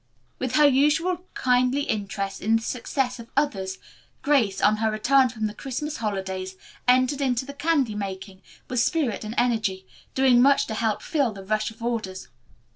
With her usual kindly interest in the success of others Grace, on her return from the Christmas holidays, entered into the candy making with spirit and energy, doing much to help fill the rush of orders.